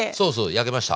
焼けました。